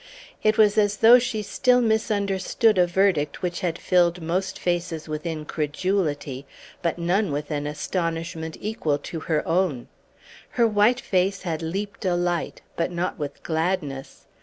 It was as though she still misunderstood a verdict which had filled most faces with incredulity, but none with an astonishment to equal her own. Her white face had leaped alight, but not with gladness.